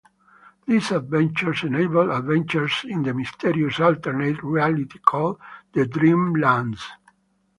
These adventures enable adventures in the mysterious alternate reality called the Dreamlands.